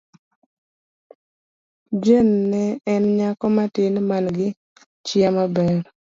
Jane ne en nyako matin man gi chia maber.